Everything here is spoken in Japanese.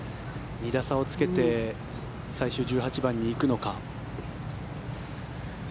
２打差をつけて最終１８番に行くのか。